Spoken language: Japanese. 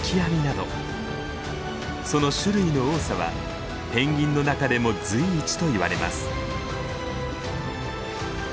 その種類の多さはペンギンの中でも随一と言われます。